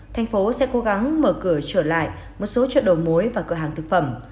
thành phố sẽ cố gắng mở cửa trở lại một số chợ đầu mối và cửa hàng thực phẩm